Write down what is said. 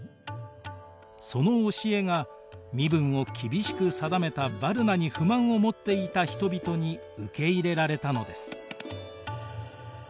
その教えが身分を厳しく定めたヴァルナに不満を持っていた人々に受け入れられたのです。